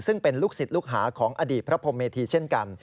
ซึ่งเป็นลูกศิษย์ลูกหาของอดีตพระพรมเมธีเช่นกัน